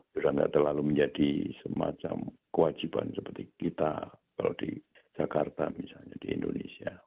bila tidak terlalu menjadi semacam kewajiban seperti kita kalau di jakarta misalnya di indonesia